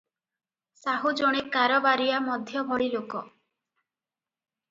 ସାହୁ ଜଣେ କାରବାରିଆ ମଧ୍ୟଭଳି ଲୋକ ।